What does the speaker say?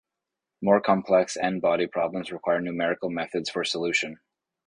More-complex n-body problems require numerical methods for solution.